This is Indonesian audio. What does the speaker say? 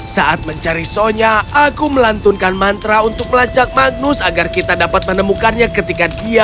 saat mencari sonya aku melantunkan mantra untuk melacak magnus agar kita dapat menemukannya ketika dia